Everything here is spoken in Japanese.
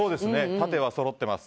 縦はそろってます。